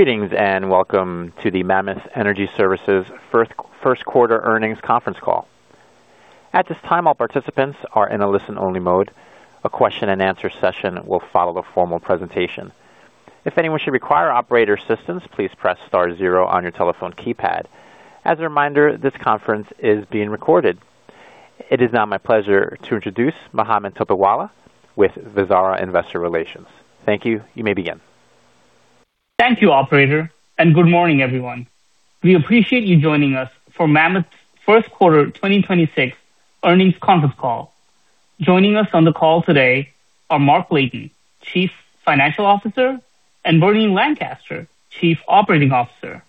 Greetings, and welcome to the Mammoth Energy Services first quarter earnings conference call. At this time, all participants are in a listen-only mode. A question and answer session will follow the formal presentation. If anyone should require operator assistance, please press star zero on your telephone keypad. As a reminder, this conference is being recorded. It is now my pleasure to introduce Mohammed Topiwala with Vizara Investor Relations. Thank you. You may begin. Thank you operator, and good morning, everyone. We appreciate you joining us for Mammoth's first quarter 2026 earnings conference call. Joining us on the call today are Mark Layton, Chief Financial Officer, and Bernard Lancaster, Chief Operating Officer.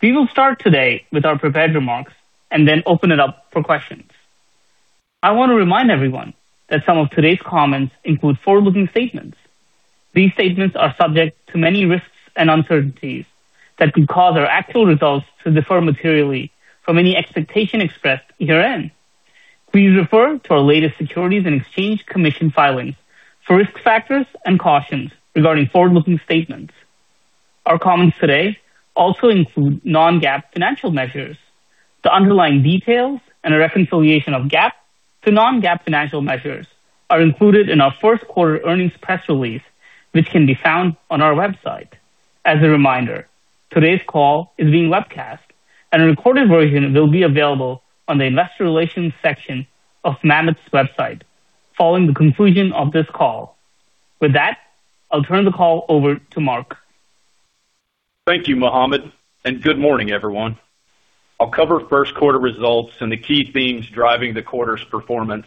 We will start today with our prepared remarks and then open it up for questions. I want to remind everyone that some of today's comments include forward-looking statements. These statements are subject to many risks and uncertainties that could cause our actual results to differ materially from any expectation expressed herein. Please refer to our latest Securities and Exchange Commission filings for risk factors and cautions regarding forward-looking statements. Our comments today also include non-GAAP financial measures. The underlying details and a reconciliation of GAAP to non-GAAP financial measures are included in our first quarter earnings press release, which can be found on our website. As a reminder, today's call is being webcast and a recorded version will be available on the investor relations section of Mammoth's website following the conclusion of this call. With that, I'll turn the call over to Mark. Thank you, Mohammed, and good morning, everyone. I'll cover first quarter results and the key themes driving the quarter's performance,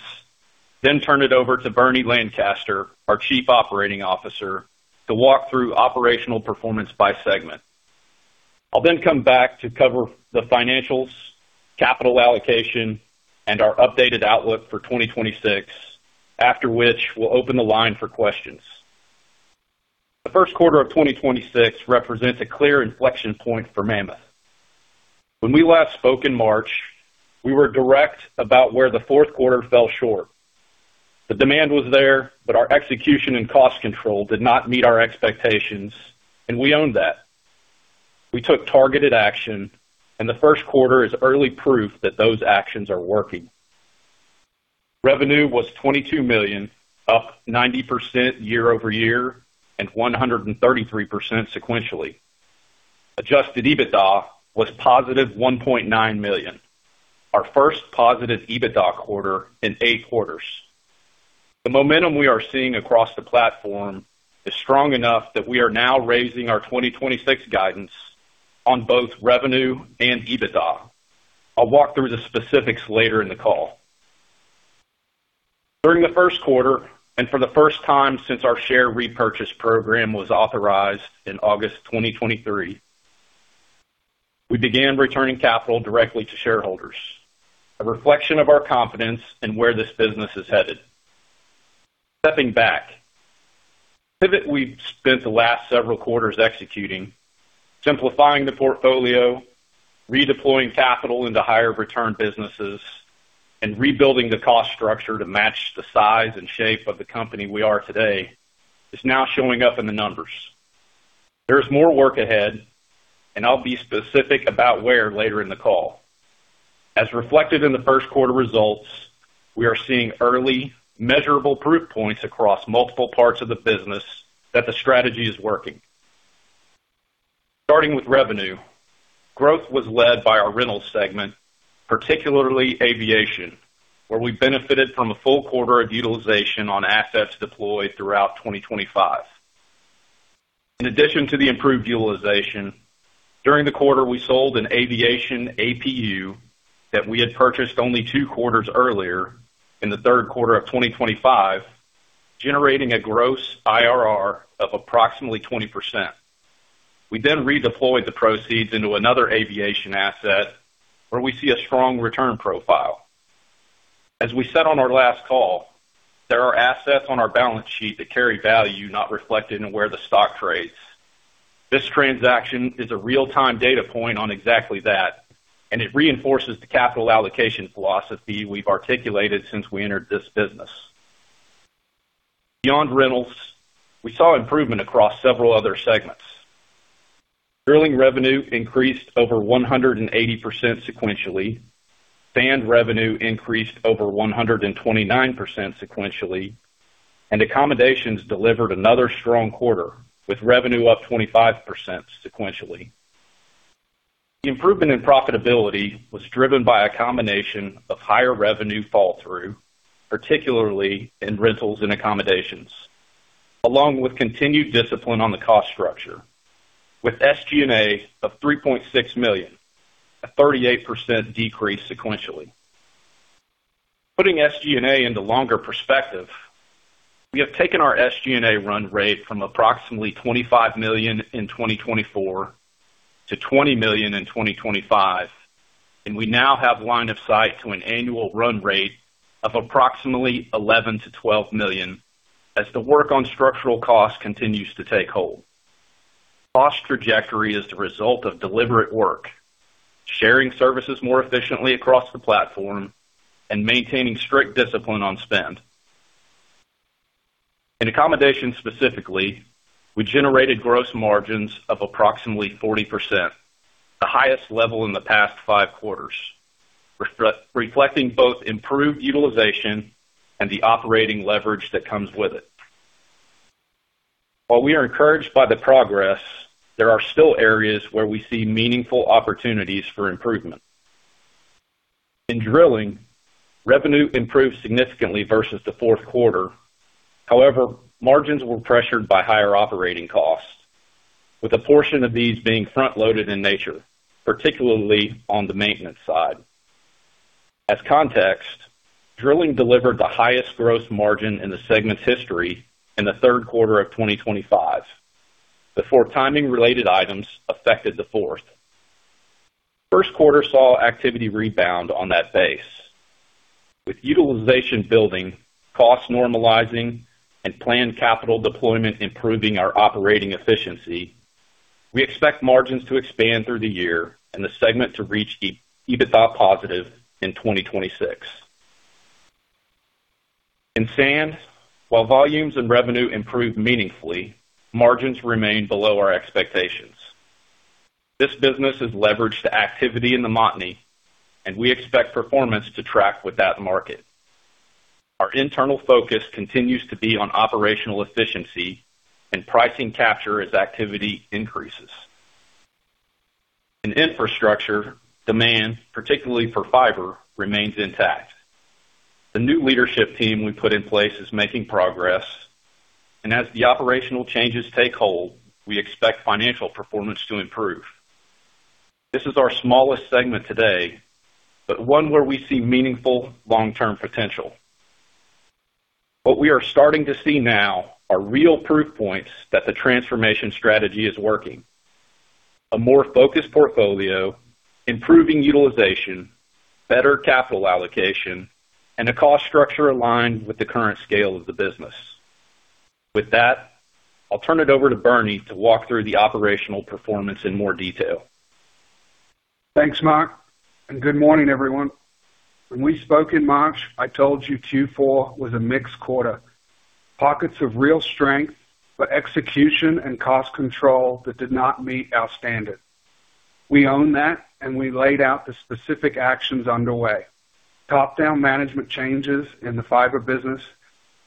then turn it over to Bernard Lancaster, our Chief Operating Officer, to walk through operational performance by segment. I'll come back to cover the financials, capital allocation, and our updated outlook for 2026, after which we'll open the line for questions. The first quarter of 2026 represents a clear inflection point for Mammoth. When we last spoke in March, we were direct about where the fourth quarter fell short. The demand was there, but our execution and cost control did not meet our expectations, and we owned that. We took targeted action, and the first quarter is early proof that those actions are working. Revenue was $22 million, up 90% YoY and 133% sequentially. Adjusted EBITDA was positive $1.9 million, our first positive EBITDA quarter in eight quarters. The momentum we are seeing across the platform is strong enough that we are now raising our 2026 guidance on both revenue and EBITDA. I'll walk through the specifics later in the call. During the first quarter, and for the first time since our share repurchase program was authorized in August 2023, we began returning capital directly to shareholders, a reflection of our confidence in where this business is headed. Stepping back, the pivot we've spent the last several quarters executing, simplifying the portfolio, redeploying capital into higher return businesses, and rebuilding the cost structure to match the size and shape of the company we are today is now showing up in the numbers. There is more work ahead. I'll be specific about where later in the call. As reflected in the first quarter results, we are seeing early measurable proof points across multiple parts of the business that the strategy is working. Starting with revenue, growth was led by our rental segment, particularly aviation, where we benefited from a full quarter of utilization on assets deployed throughout 2025. In addition to the improved utilization, during the quarter, we sold an aviation APU that we had purchased only two quarters earlier in the third quarter of 2025, generating a gross IRR of approximately 20%. We redeployed the proceeds into another aviation asset where we see a strong return profile. As we said on our last call, there are assets on our balance sheet that carry value not reflected in where the stock trades. This transaction is a real-time data point on exactly that, and it reinforces the capital allocation philosophy we've articulated since we entered this business. Beyond rentals, we saw improvement across several other segments. Drilling revenue increased over 180% sequentially, sand revenue increased over 129% sequentially, and accommodations delivered another strong quarter, with revenue up 25% sequentially. The improvement in profitability was driven by a combination of higher revenue fall through, particularly in rentals and accommodations, along with continued discipline on the cost structure with SG&A of $3.6 million, a 38% decrease sequentially. Putting SG&A into longer perspective, we have taken our SG&A run rate from approximately $25 million in 2024 to $20 million in 2025. We now have line of sight to an annual run rate of approximately $11 million-$12 million as the work on structural costs continues to take hold. Cost trajectory is the result of deliberate work, sharing services more efficiently across the platform and maintaining strict discipline on spend. In accommodation specifically, we generated gross margins of approximately 40%, the highest level in the past five quarters, reflecting both improved utilization and the operating leverage that comes with it. While we are encouraged by the progress, there are still areas where we see meaningful opportunities for improvement. In drilling, revenue improved significantly versus the fourth quarter. Margins were pressured by higher operating costs, with a portion of these being front-loaded in nature, particularly on the maintenance side. As context, drilling delivered the highest gross margin in the segment's history in the third quarter of 2025 before timing related items affected the fourth. First quarter saw activity rebound on that base. With utilization building, cost normalizing, and planned capital deployment improving our operating efficiency, we expect margins to expand through the year and the segment to reach EBITDA positive in 2026. In sand, while volumes and revenue improved meaningfully, margins remained below our expectations. This business is leveraged to activity in the Montney, and we expect performance to track with that market. Our internal focus continues to be on operational efficiency and pricing capture as activity increases. In Infrastructure, demand, particularly for fiber, remains intact. The new leadership team we put in place is making progress. As the operational changes take hold, we expect financial performance to improve. This is our smallest segment today, one where we see meaningful long-term potential. What we are starting to see now are real proof points that the transformation strategy is working, a more focused portfolio, improving utilization, better capital allocation, and a cost structure aligned with the current scale of the business. With that, I'll turn it over to Bernie to walk through the operational performance in more detail. Thanks, Mark. Good morning, everyone. When we spoke in March, I told you Q4 was a mixed quarter. Pockets of real strength, execution and cost control that did not meet our standard. We own that. We laid out the specific actions underway. Top-down management changes in the fiber business,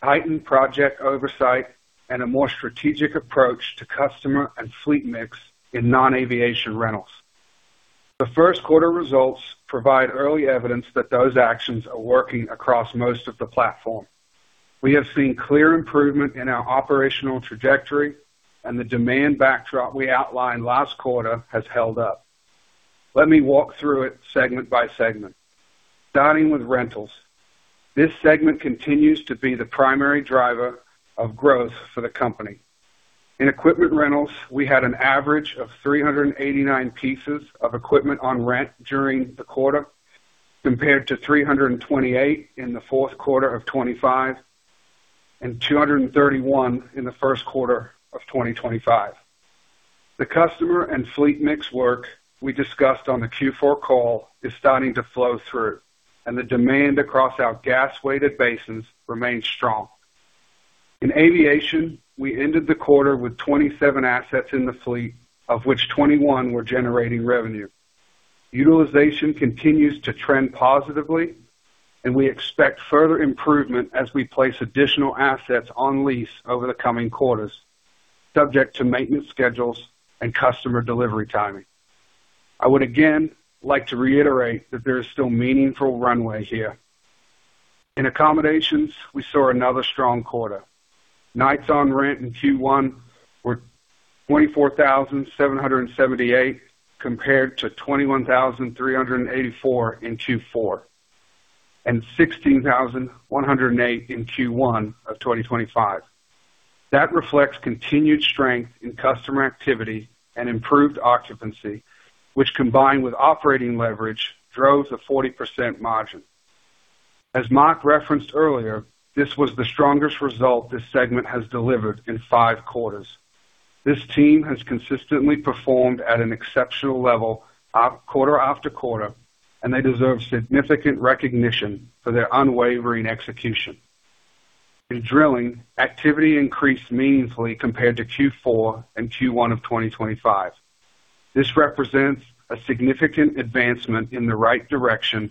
heightened project oversight, and a more strategic approach to customer and fleet mix in non-aviation rentals. The first quarter results provide early evidence that those actions are working across most of the platform. We have seen clear improvement in our operational trajectory and the demand backdrop we outlined last quarter has held up. Let me walk through it segment by segment. Starting with rentals. This segment continues to be the primary driver of growth for the company. In equipment rentals, we had an average of 389 pieces of equipment on rent during the quarter, compared to 328 in the fourth quarter of 2025 and 231 in the first quarter of 2025. The customer and fleet mix work we discussed on the Q4 call is starting to flow through, and the demand across our gas-weighted basins remains strong. In aviation, we ended the quarter with 27 assets in the fleet, of which 21 were generating revenue. Utilization continues to trend positively, and we expect further improvement as we place additional assets on lease over the coming quarters, subject to maintenance schedules and customer delivery timing. I would again like to reiterate that there is still meaningful runway here. In accommodations, we saw another strong quarter. Nights on rent in Q1 were 24,778 compared to 21,384 in Q4, and 16,108 in Q1 of 2025. That reflects continued strength in customer activity and improved occupancy, which combined with operating leverage, drove the 40% margin. As Mark referenced earlier, this was the strongest result this segment has delivered in five quarters. This team has consistently performed at an exceptional level quarter after quarter, and they deserve significant recognition for their unwavering execution. In drilling, activity increased meaningfully compared to Q4 and Q1 of 2025. This represents a significant advancement in the right direction,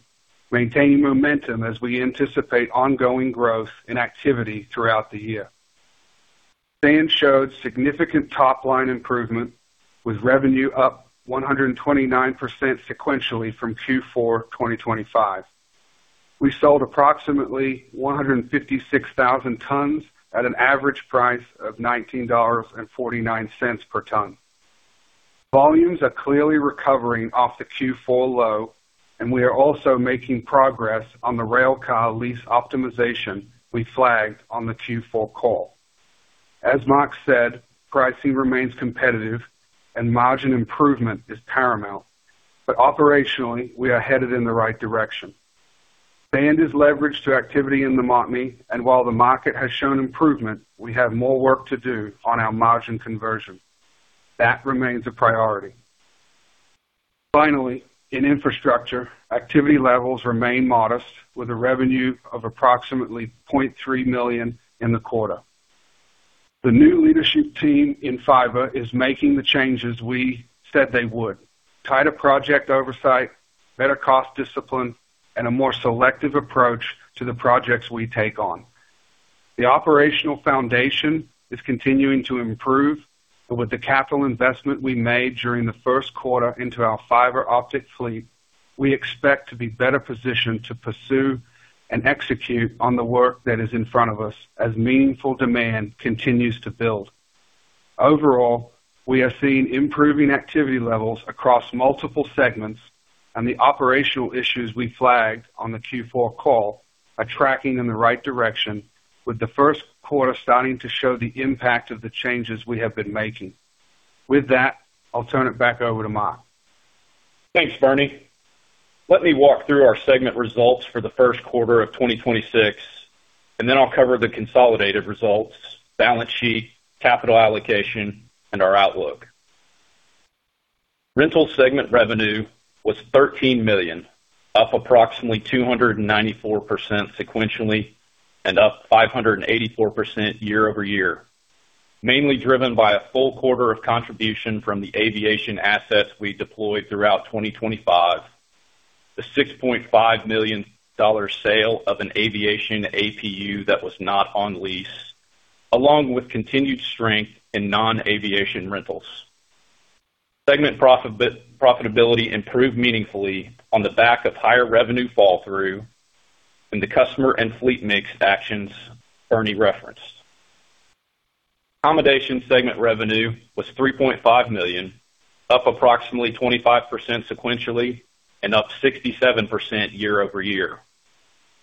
maintaining momentum as we anticipate ongoing growth in activity throughout the year. Sand showed significant top-line improvement, with revenue up 129% sequentially from Q4 2025. We sold approximately 156,000 tons at an average price of $19.49 per ton. Volumes are clearly recovering off the Q4 low, and we are also making progress on the railcar lease optimization we flagged on the Q4 call. As Mark said, pricing remains competitive and margin improvement is paramount, but operationally, we are headed in the right direction. Sand is leveraged to activity in the Montney, and while the market has shown improvement, we have more work to do on our margin conversion. That remains a priority. In infrastructure, activity levels remain modest with a revenue of approximately $0.3 million in the quarter. The new leadership team in fiber is making the changes we said they would, tighter project oversight, better cost discipline, and a more selective approach to the projects we take on. The operational foundation is continuing to improve, but with the capital investment we made during the first quarter into our fiber optic fleet, we expect to be better positioned to pursue and execute on the work that is in front of us as meaningful demand continues to build. Overall, we are seeing improving activity levels across multiple segments, and the operational issues we flagged on the Q4 call are tracking in the right direction, with the first quarter starting to show the impact of the changes we have been making. With that, I'll turn it back over to Mark. Thanks, Bernie. Let me walk through our segment results for the first quarter of 2026, and then I'll cover the consolidated results, balance sheet, capital allocation, and our outlook. Rental segment revenue was $13 million, up approximately 294% sequentially and up 584% YoY, mainly driven by a full quarter of contribution from the aviation assets we deployed throughout 2025. The $6.5 million sale of an aviation APU that was not on lease, along with continued strength in non-aviation rentals. Segment profitability improved meaningfully on the back of higher revenue fall through and the customer and fleet mix actions Bernie referenced. Accommodation segment revenue was $3.5 million, up approximately 25% sequentially and up 67% YoY,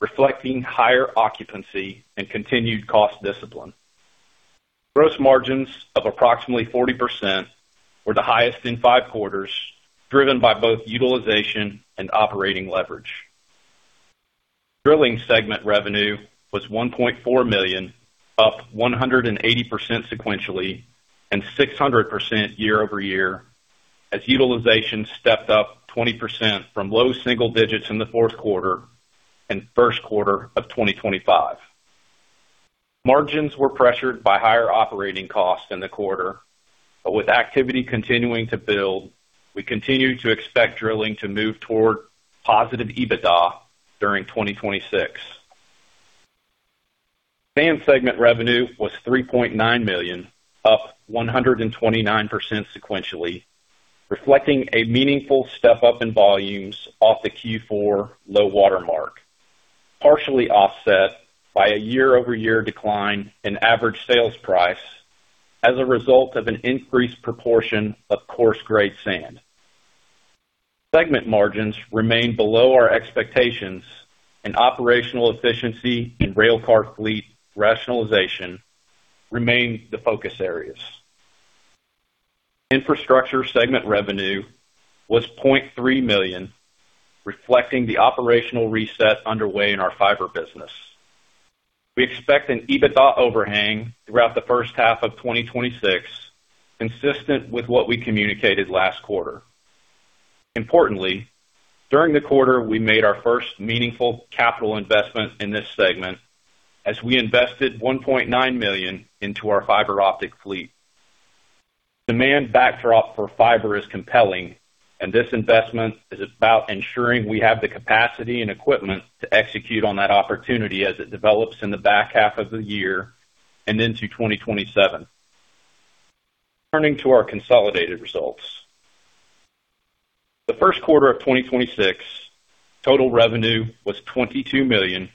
reflecting higher occupancy and continued cost discipline. Gross margins of approximately 40% were the highest in five quarters, driven by both utilization and operating leverage. Drilling segment revenue was $1.4 million, up 180% sequentially and 600% YoY, as utilization stepped up 20% from low single digits in the fourth quarter and first quarter of 2025. Margins were pressured by higher operating costs in the quarter. With activity continuing to build, we continue to expect drilling to move toward positive EBITDA during 2026. Sand segment revenue was $3.9 million, up 129% sequentially, reflecting a meaningful step-up in volumes off the Q4 low-water mark, partially offset by a YoY decline in average sales price as a result of an increased proportion of coarse grade sand. Segment margins remain below our expectations, and operational efficiency and railcar fleet rationalization remain the focus areas. Infrastructure segment revenue was $0.3 million, reflecting the operational reset underway in our fiber business. We expect an EBITDA overhang throughout the first half of 2026, consistent with what we communicated last quarter. Importantly, during the quarter, we made our first meaningful capital investment in this segment as we invested $1.9 million into our fiber optic fleet. Demand backdrop for fiber is compelling, and this investment is about ensuring we have the capacity and equipment to execute on that opportunity as it develops in the back half of the year and into 2027. Turning to our consolidated results. The first quarter of 2026, total revenue was $22 million,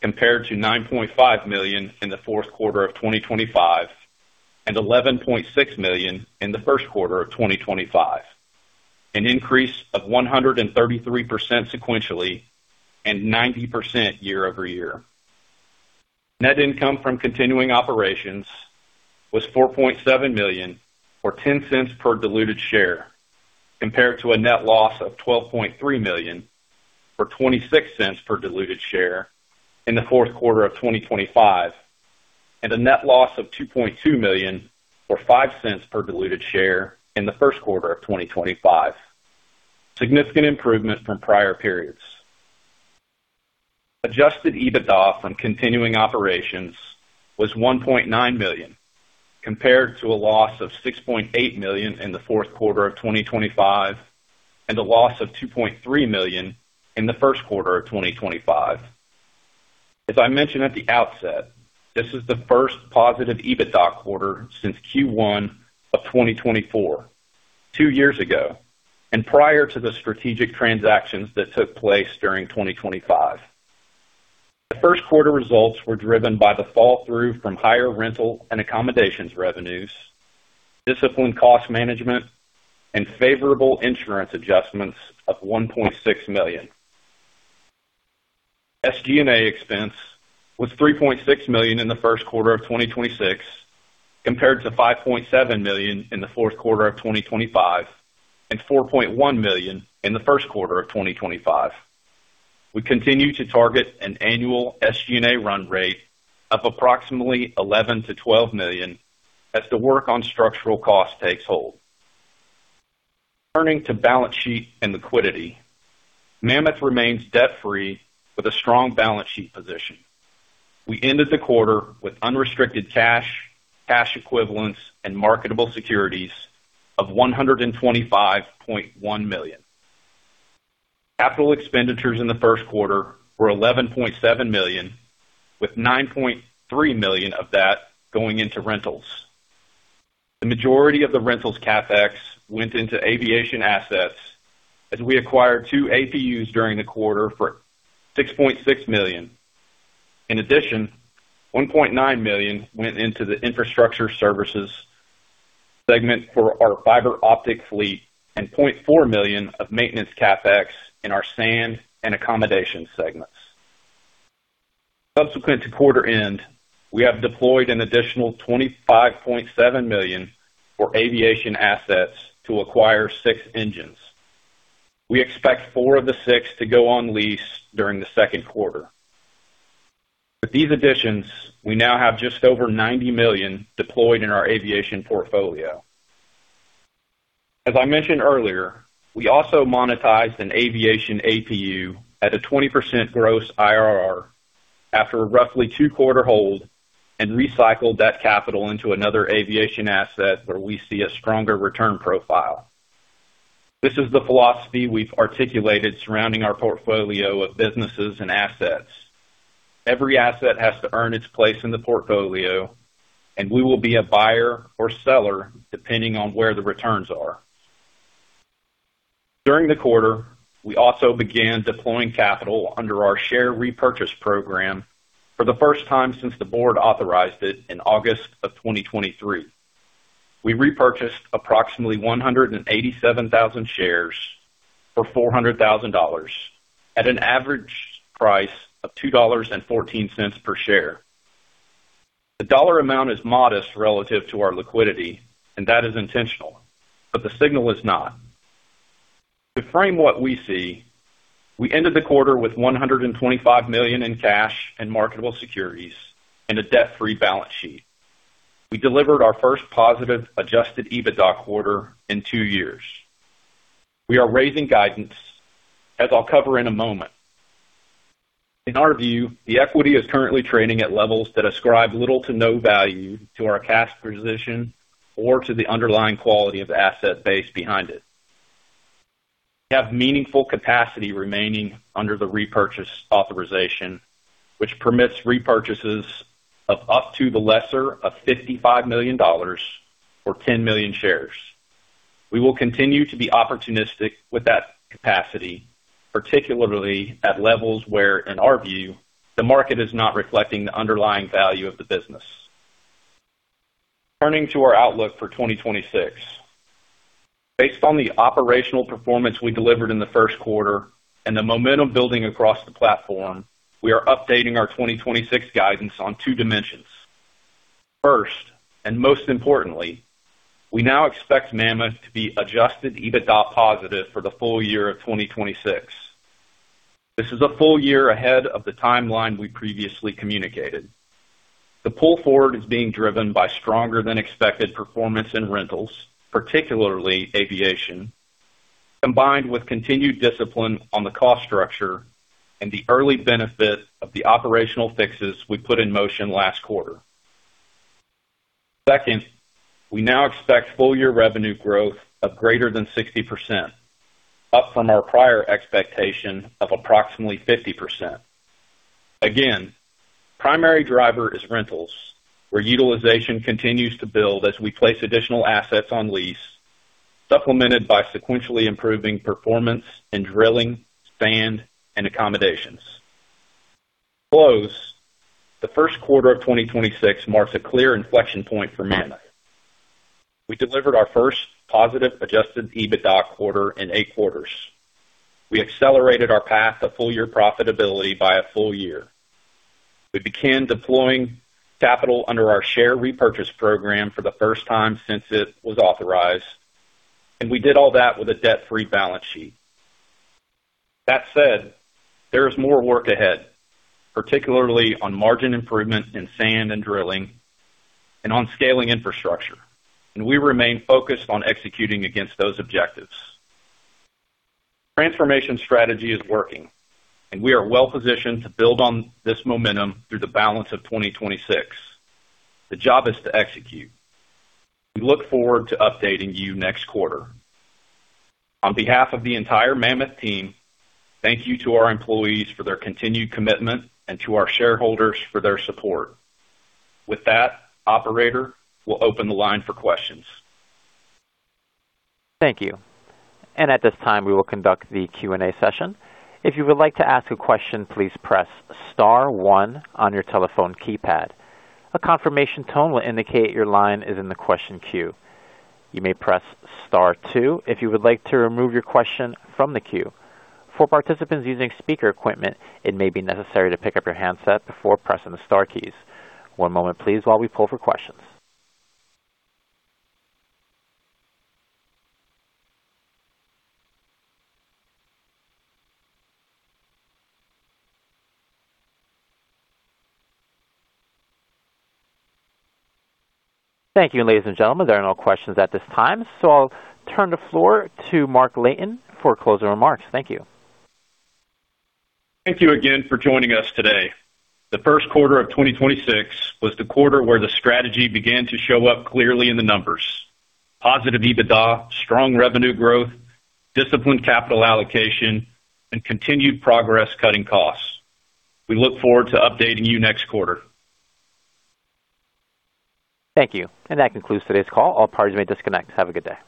compared to $9.5 million in the fourth quarter of 2025 and $11.6 million in the first quarter of 2025, an increase of 133% sequentially and 90% YoY. Net income from continuing operations was $4.7 million, or $0.10 per diluted share, compared to a net loss of $12.3 million, or $0.26 per diluted share in the fourth quarter of 2025, and a net loss of $2.2 million, or $0.05 per diluted share in the first quarter of 2025. Significant improvement from prior periods. Adjusted EBITDA from continuing operations was $1.9 million, compared to a loss of $6.8 million in the fourth quarter of 2025 and a loss of $2.3 million in the first quarter of 2025. As I mentioned at the outset, this is the first positive EBITDA quarter since Q1 of 2024, two years ago, and prior to the strategic transactions that took place during 2025. The first quarter results were driven by the fall through from higher rental and accommodations revenues, disciplined cost management, and favorable insurance adjustments of $1.6 million. SG&A expense was $3.6 million in the first quarter of 2026, compared to $5.7 million in the fourth quarter of 2025 and $4.1 million in the first quarter of 2025. We continue to target an annual SG&A run rate of approximately $11 million-$12 million as the work on structural costs takes hold. Turning to balance sheet and liquidity. Mammoth remains debt-free with a strong balance sheet position. We ended the quarter with unrestricted cash equivalents, and marketable securities of $125.1 million. Capital expenditures in the first quarter were $11.7 million, with $9.3 million of that going into rentals. The majority of the rentals CapEx went into aviation assets as we acquired two APUs during the quarter for $6.6 million. In addition, $1.9 million went into the infrastructure services segment for our fiber optic fleet and $0.4 million of maintenance CapEx in our sand and accommodation segments. Subsequent to quarter end, we have deployed an additional $25.7 million for aviation assets to acquire six engines. We expect four of the six to go on lease during the second quarter. With these additions, we now have just over $90 million deployed in our aviation portfolio. As I mentioned earlier, we also monetized an aviation APU at a 20% gross IRR after a roughly two-quarter hold and recycled that capital into another aviation asset where we see a stronger return profile. This is the philosophy we've articulated surrounding our portfolio of businesses and assets. Every asset has to earn its place in the portfolio, and we will be a buyer or seller depending on where the returns are. During the quarter, we also began deploying capital under our share repurchase program for the first time since the board authorized it in August of 2023. We repurchased approximately 187,000 shares for $400,000 at an average price of $2.14 per share. The dollar amount is modest relative to our liquidity, and that is intentional, but the signal is not. To frame what we see, we ended the quarter with $125 million in cash and marketable securities and a debt-free balance sheet. We delivered our first positive Adjusted EBITDA quarter in two years. We are raising guidance, as I'll cover in a moment. In our view, the equity is currently trading at levels that ascribe little to no value to our cash position or to the underlying quality of the asset base behind it. We have meaningful capacity remaining under the repurchase authorization, which permits repurchases of up to the lesser of $55 million or 10 million shares. We will continue to be opportunistic with that capacity, particularly at levels where, in our view, the market is not reflecting the underlying value of the business. Turning to our outlook for 2026. Based on the operational performance we delivered in the 1st quarter and the momentum building across the platform, we are updating our 2026 guidance on two dimensions. 1st, and most importantly, we now expect Mammoth to be Adjusted EBITDA positive for the full year of 2026. This is a full year ahead of the timeline we previously communicated. The pull forward is being driven by stronger than expected performance in rentals, particularly aviation, combined with continued discipline on the cost structure and the early benefit of the operational fixes we put in motion last quarter. Second, we now expect full-year revenue growth of greater than 60%, up from our prior expectation of approximately 50%. Again, primary driver is rentals, where utilization continues to build as we place additional assets on lease, supplemented by sequentially improving performance in drilling, sand, and accommodations. To close, the first quarter of 2026 marks a clear inflection point for Mammoth. We delivered our first positive Adjusted EBITDA quarter in eight quarters. We accelerated our path to full-year profitability by a full year. We began deploying capital under our share repurchase program for the first time since it was authorized, and we did all that with a debt-free balance sheet. That said, there is more work ahead, particularly on margin improvement in sand and drilling and on scaling infrastructure, and we remain focused on executing against those objectives. Transformation strategy is working, and we are well positioned to build on this momentum through the balance of 2026. The job is to execute. We look forward to updating you next quarter. On behalf of the entire Mammoth team, thank you to our employees for their continued commitment and to our shareholders for their support. With that, operator, we'll open the line for questions. Thank you. At this time, we will conduct the Q&A session. If you would like to ask a question, please press star one on your telephone keypad. A confirmation tone will indicate your line is in the question queue. You may press star two if you would like to remove your question from the queue. For participants using speaker equipment, it may be necessary to pick up your handset before pressing the star keys. One moment, please, while we pull for questions. Thank you, ladies and gentlemen. There are no questions at this time. I'll turn the floor to Mark Layton for closing remarks. Thank you. Thank you again for joining us today. The first quarter of 2026 was the quarter where the strategy began to show up clearly in the numbers. Positive EBITDA, strong revenue growth, disciplined capital allocation, and continued progress cutting costs. We look forward to updating you next quarter. Thank you. That concludes today's call. All parties may disconnect. Have a good day.